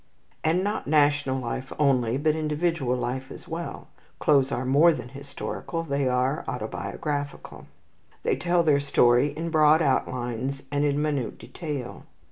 And not national life only, but individual life as well. Clothes are more than historical, they are autobiographical. They tell their story in broad outlines and in minute detail.